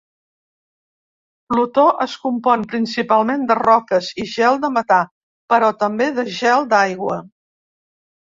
Plutó es compon principalment de roques i gel de metà, però també de gel d'aigua.